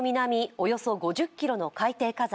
およそ５０ｋｍの海底火山